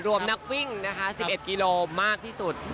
รวมนักวิ่ง๑๑กิโลกรัมมากที่สุด